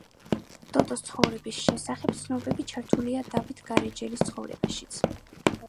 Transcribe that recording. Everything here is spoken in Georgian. დოდოს ცხოვრების შესახებ ცნობები ჩართულია დავით გარეჯელის ცხოვრებაში.